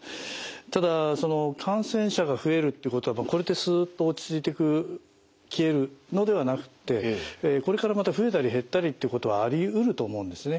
ただ感染者が増えるっていうことはこれでスッと落ち着いてく消えるのではなくってこれからまた増えたり減ったりってことはありうると思うんですね。